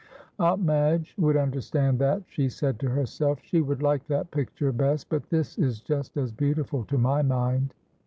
"Aunt Madge would understand that," she said to herself; "she would like that picture best, but this is just as beautiful to my mind."